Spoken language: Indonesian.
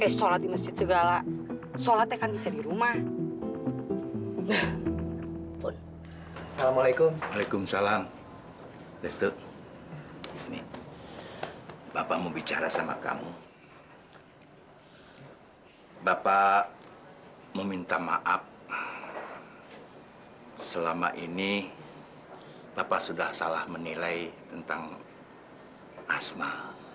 assalamualaikum waalaikumsalam ya ampun asma